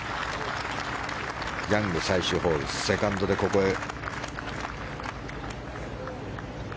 ヤング、最終ホールセカンドでここへ。